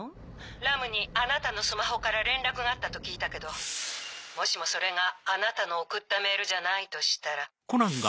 ラムにあなたのスマホから連絡があったと聞いたけどもしもそれがあなたの送ったメ−ルじゃないとしたら。